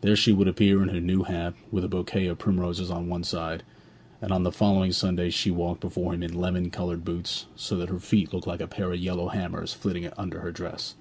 Then she would appear in her new hat, with a bouquet of primroses on one side; and on the following Sunday she walked before him in lemon coloured boots, so that her feet looked like a pair of yellow hammers flitting under her dress.